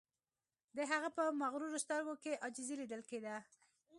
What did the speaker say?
د هغه په مغرورو سترګو کې عاجزی لیدل کیده